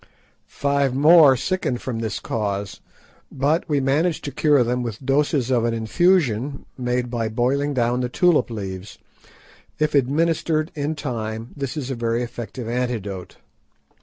Five more sickened from this cause, but we managed to cure them with doses of an infusion made by boiling down the tulip leaves. If administered in time this is a very effective antidote.